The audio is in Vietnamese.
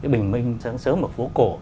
bình minh sáng sớm ở phố cổ